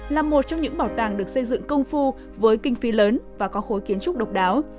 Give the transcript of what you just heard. là một trong những bảo tàng được xây dựng công phu với kinh phí lớn và có khối kiến trúc độc đáo